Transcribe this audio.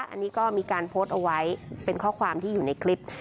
อันนี้ก็มีการโพสต์เอาไว้เป็นข้อความที่อยู่ในคลิป